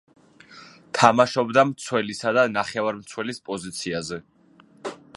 თამაშობდა მცველისა და ნახევარმცველის პოზიციაზე.